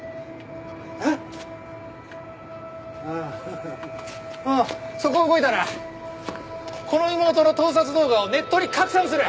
ああそこを動いたらこの妹の盗撮動画をネットに拡散する！